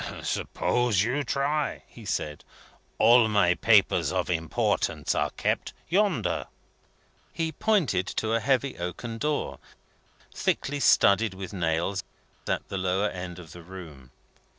"Suppose you try," he said. "All my papers of importance are kept yonder." He pointed to a heavy oaken door, thickly studded with nails, at the lower end of the room.